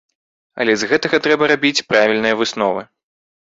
Але з гэтага трэба рабіць правільныя высновы.